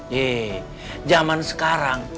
ye zaman sekarang